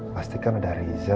pastikan ada riza